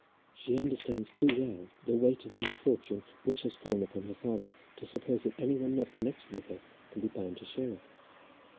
"She understands too well the weight of the misfortune which has fallen upon her father, to suppose that any one not connected with her can be bound to share it."